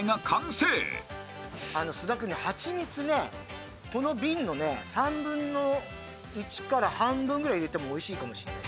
あの菅田君ねハチミツねこの瓶の３分の１から半分ぐらい入れてもおいしいかもしんない。